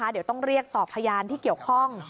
เดี๋ยวต้องเรียกสอบพยานที่เกี่ยวข้อง